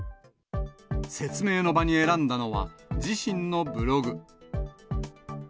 説明の場に選んだのは、自身のブログ。